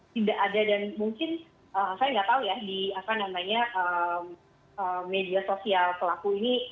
tidak ada dan mungkin saya tidak tahu ya di media sosial pelaku ini